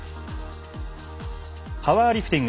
パワーリフティング。